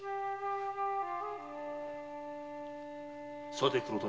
さて黒谷。